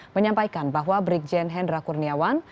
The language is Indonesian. menyampaikan bahwa brigjen hendra kurniawan